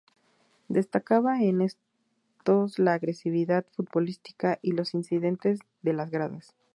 Destacaba en estos la agresividad futbolística y los incidentes en las gradas.